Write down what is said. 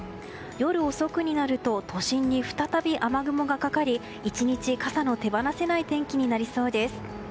夜遅くになると都心に再び雨雲がかかり１日、傘の手放せない天気となりそうです。